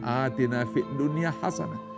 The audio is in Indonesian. atina fi' dunya hasana